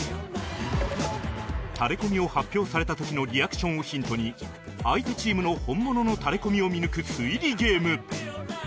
タレコミを発表された時のリアクションをヒントに相手チームの本物のタレコミを見抜く推理ゲーム